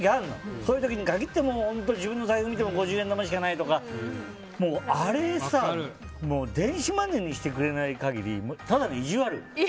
そういう時に限って自分の財布を見ても五十円玉しかないとかあれさ電子マネーにしてくれない限りただのいじわる！